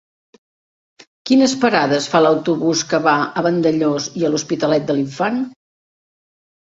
Quines parades fa l'autobús que va a Vandellòs i l'Hospitalet de l'Infant?